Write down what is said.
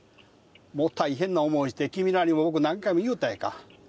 もう大変な思いして、君らに僕何回も言うたか。